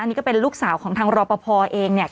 นี่ก็เป็นลูกสาวของทางรอปภเองเนี่ย